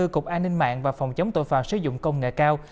cục an ninh mạng và phòng chống tội phạm sử dụng công nghệ cao